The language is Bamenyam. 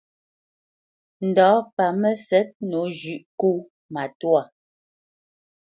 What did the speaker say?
Ndǎ pâ Mə́sɛ̌t nǒ zhʉ̌ʼ kó matwâ.